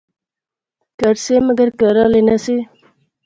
کہھر سے مگر کہھر آلے نہسے